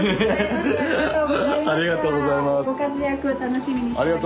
ご活躍を楽しみにしております。